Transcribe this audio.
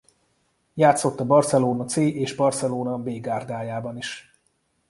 Játszott a Barcelona C és Barcelona B gárdájában is.